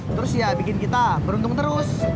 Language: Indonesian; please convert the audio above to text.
terus ya bikin kita beruntung terus